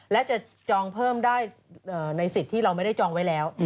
และจะจองเพิ่มได้ในสิทธิ์ที่เราไม่ได้จองไว้แล้ว